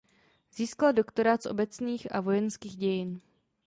Získal doktorát z obecných a vojenských dějin.